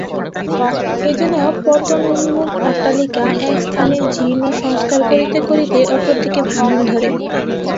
এ যেন পতনোন্মুখ অট্টালিকা, এক স্থানে জীর্ণসংস্কার করিতে করিতে অপরদিকে ভাঙন ধরে।